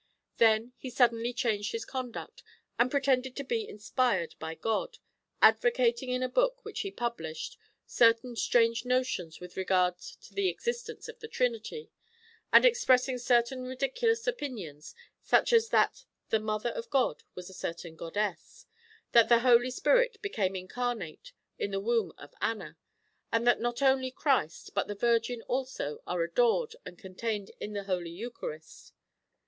Then he suddenly changed his conduct, and pretended to be inspired by God, advocating in a book which he published certain strange notions with regard to the existence of the Trinity, and expressing certain ridiculous opinions, such as that the mother of God was a certain goddess, that the Holy Spirit became incarnate in the womb of Anna, and that not only Christ but the Virgin also are adored and contained in the Holy Eucharist.